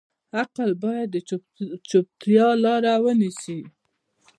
عقل باید د چوپتیا لاره ونیسي.